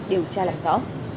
điều tra làm rõ